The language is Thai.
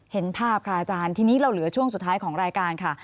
เห็นภาพค่ะอาจารย์ทีนี้เราเหลือช่วงสุดท้ายของรายการค่ะ